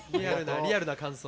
リアルな感想。